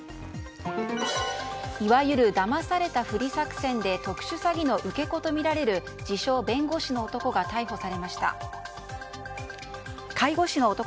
いわゆる、だまされたふり作戦で特殊詐欺の受け子とみられる自称介護士の男が逮捕されました。